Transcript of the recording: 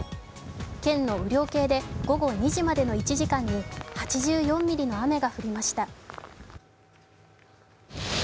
県の雨量計で、午後２時までの１時間に８４ミリの雨が降りました。